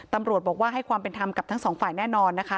ตำรวจบอกว่าให้ความเป็นธรรมกับทั้งสองฝ่ายแน่นอนนะคะ